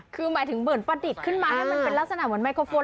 คือหมายถึงเหมือนประดิษฐ์ขึ้นมาให้มันเป็นลักษณะเหมือนไมโครโฟน